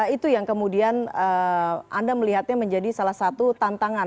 itu yang kemudian anda melihatnya menjadi salah satu tantangan